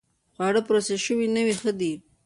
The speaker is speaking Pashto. خواړه پروسس شوي نه وي، ښه دي.